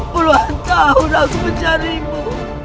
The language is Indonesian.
puluhan tahun aku mencarimu